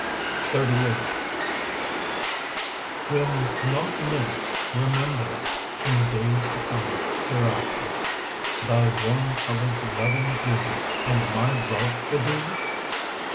10 XXXVIII Will not men remember us In the days to come hereafter,— Thy warm coloured loving beauty And my love for thee?